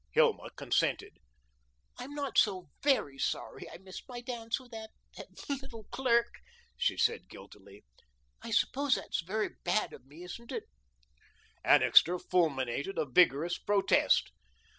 Hilma consented. "I'm not so VERY sorry I missed my dance with that that little clerk," she said guiltily. "I suppose that's very bad of me, isn't it?" Annixter fulminated a vigorous protest.